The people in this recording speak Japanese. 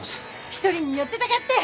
一人に寄ってたかって！